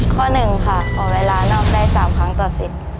ข้อหนึ่งค่ะขอเวลานอกได้๓ครั้งต่อสิทธิ์